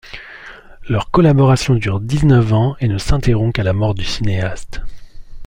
Leur collaboration dure dix-neuf ans et ne s'interrompt qu'à la mort du cinéaste.